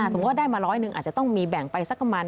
สมมุติได้มาร้อยหนึ่งอาจจะต้องมีแบ่งไปสักประมาณ